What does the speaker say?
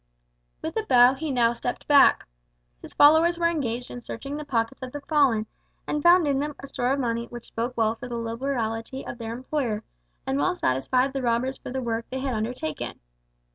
With a bow he now stepped back. His followers were engaged in searching the pockets of the fallen, and found in them a store of money which spoke well for the liberality of their employer, and well satisfied the robbers for the work they had undertaken.